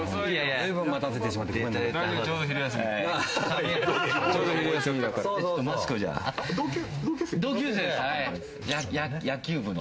随分待たせてしまってごめんね。